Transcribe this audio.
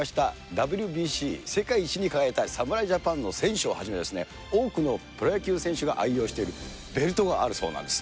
ＷＢＣ世界一に輝いた侍ジャパンの選手をはじめ、多くのプロ野球選手が愛用しているベルトがあるそうなんです。